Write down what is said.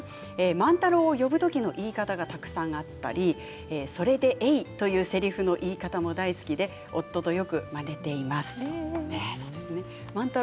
万太郎を呼ぶ時の言い方がたくさんあったりそれでえい、というせりふの言い方も大好きで夫とよくまねていますということです。